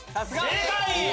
正解！